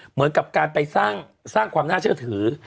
เหมือนกับการไปสร้างความน่าเชื่อถือ